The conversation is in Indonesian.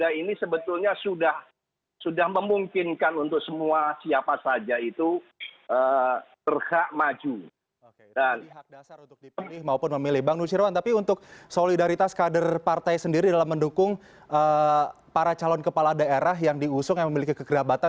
atau ini proses instan yang dijalani oleh kader yang memiliki keterkaitan